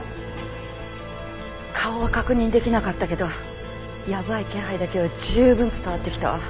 顔は確認できなかったけどやばい気配だけは十分伝わってきたわ。